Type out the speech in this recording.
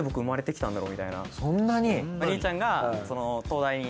そんなに？